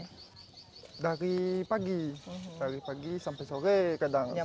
hai dari pagi pagi sampai sore kadang kadang